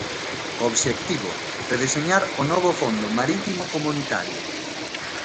O obxectivo, redeseñar o novo fondo marítimo comunitario.